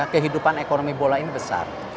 kehidupan ekonomi bola ini besar